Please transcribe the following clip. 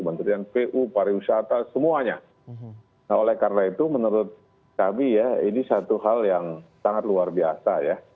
nah ini juga menurut saya adalah satu hal yang sangat luar biasa ya